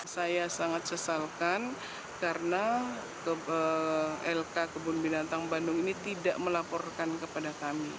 saya sangat sesalkan karena lk kebun binatang bandung ini tidak melaporkan kepada kami